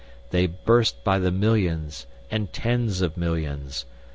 They burst by the millions and tens of millions.